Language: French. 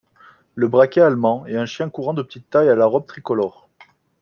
Le brachet allemand est un chien courant de petite taille, à la robe tricolore.